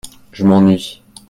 Je m'ennuie.